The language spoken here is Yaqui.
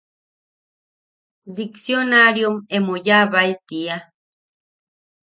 Diksionaariom emo yaabae tia.